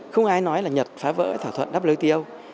không ai nói là nhật phá vỡ thỏa thuận wto